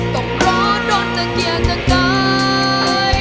ต้องรอโดนและเกลียดกลางกาย